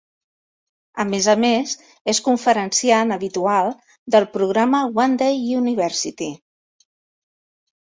A més a més, és conferenciant habitual del programa One Day University.